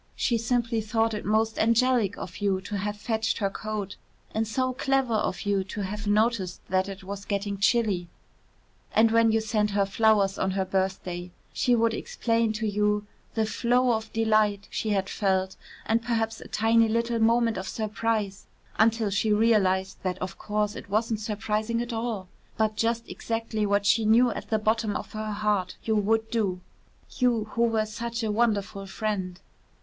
She simply thought it most angelic of you to have fetched her coat and so clever of you to have noticed that it was getting chilly. And when you sent her flowers on her birthday, she would explain to you the flow of delight she had felt and perhaps a tiny little moment of surprise until she realised that of course it wasn't surprising at all, but just exactly what she knew at the bottom of her heart you would do you, who were such a wonderful friend.